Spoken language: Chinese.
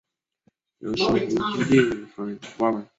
由新鸿基地产发展。